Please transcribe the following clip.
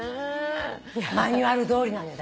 マニュアルどおりなのよ